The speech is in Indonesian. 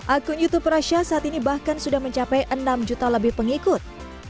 akun youtube rasha saat ini bahkan sudah mencapai enam juta lebih pengikut